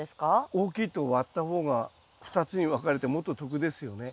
大きいと割った方が２つに分かれてもっと得ですよね。